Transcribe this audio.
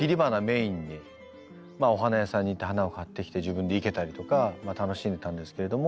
お花屋さんに行って花を買ってきて自分で生けたりとか楽しんでたんですけれども。